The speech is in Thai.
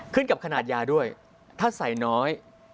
ขึ้นกับขนาดยาด้วยถ้าใส่น้อย